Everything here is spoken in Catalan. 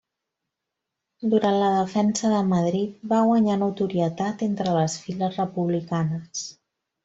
Durant la defensa de Madrid va guanyar notorietat entre les files republicanes.